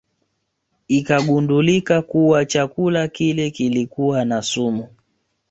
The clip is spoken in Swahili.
Ikagundulika kuwa chakula kile kilikuwa na sumu